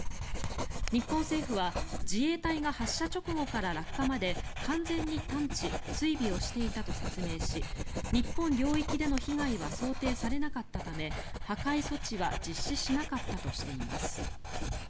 日本政府は自衛隊が発射直後から落下まで完全に探知、追尾をしていたと説明し日本領域での被害は想定されなかったため破壊措置は実施しなかったとしています。